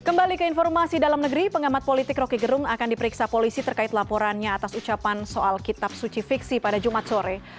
kembali ke informasi dalam negeri pengamat politik roky gerung akan diperiksa polisi terkait laporannya atas ucapan soal kitab suci fiksi pada jumat sore